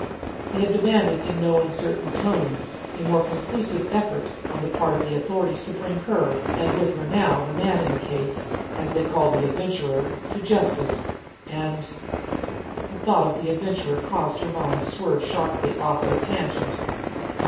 They had demanded in no uncertain tones a more conclusive effort on the part of the authorities to bring her, and with her now the man in the case, as they called the Adventurer, to justice, and... The thought of the Adventurer caused her mind to swerve sharply off at a tangent.